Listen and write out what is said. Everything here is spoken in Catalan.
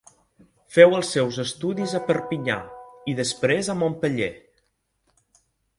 Feu els seus estudis a Perpinyà i després a Montpeller.